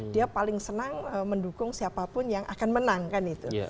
dia paling senang mendukung siapapun yang akan menang kan itu